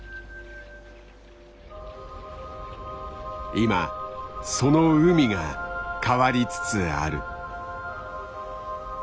今その海が変わりつつある。